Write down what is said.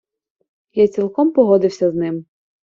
Я цілком погодився з ним.